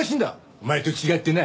お前と違ってな。